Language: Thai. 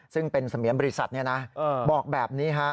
ซึ่งเป็นสมิยามบริษัทบอกแบบนี้